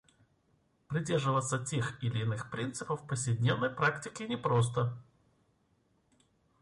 Придерживаться тех или иных принципов в повседневной практике непросто.